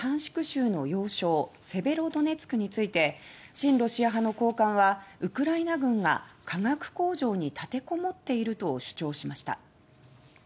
州の要衝・セベロドネツクについて親ロシア派の高官はウクライナ軍が化学工場に立てこもっていると主張しました。